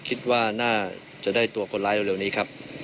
คิดว่าน่าจะได้ตัวคนร้ายเร็วนี้ครับ